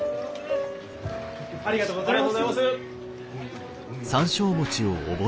ありがとうございます！